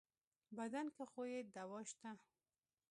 بدن کې خو يې دوا شته.